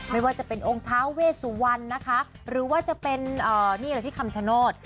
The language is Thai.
ไม่ว่าจะเป็นองค์ท้าเวสุวรรณนะคะหรือว่าจะเป็นนี่เลยที่คำชโนธ